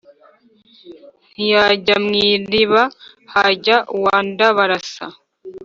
ntiyajya mw' iriba hajya uwa ndábarása